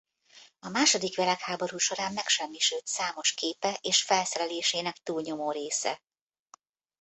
A második világháború során megsemmisült számos képe és felszerelésének túlnyomó része.